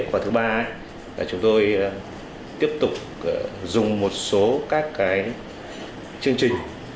và thứ ba là chúng tôi tiếp tục dùng một số các chương trình